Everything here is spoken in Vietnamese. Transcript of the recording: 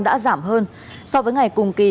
đã giảm hơn so với ngày cùng kỳ